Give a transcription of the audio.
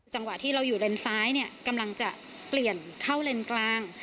จังหวะที่เราอยู่เลนซ้ายเนี่ยกำลังจะเปลี่ยนเข้าเลนกลาง